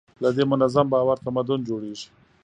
له دې منظم باور تمدن جوړېږي.